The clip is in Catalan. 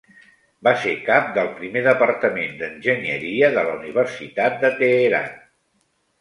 Va ser cap del primer departament d'Enginyeria de la Universitat de Teheran.